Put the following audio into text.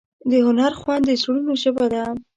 د هنر خوند د زړونو ژبه ده.